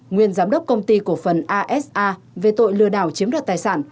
nguyên giám đốc công ty cổ phần asa về tội lừa đảo chiếm đoạt tài sản